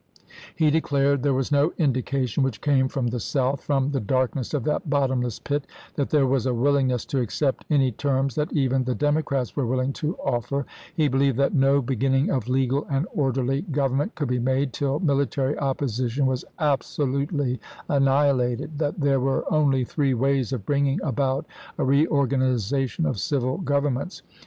He declared there was no indication which came from the South, " from the darkness of that bottomless pit," that there was a willingness to accept any terms that even the Democrats were willing to offer; he believed that no beginning of legal and orderly government could be made till military opposition was absolutely annihilated ; that there were only three ways of bringing about a reorgan ization of civil governments.